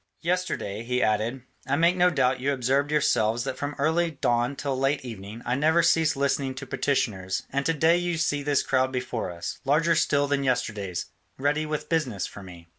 Yesterday," he added, "I make no doubt you observed yourselves that from early dawn till late evening I never ceased listening to petitioners, and to day you see this crowd before us, larger still than yesterday's, ready with business for me.